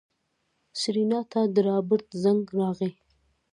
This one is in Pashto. سېرېنا ته د رابرټ زنګ راغی.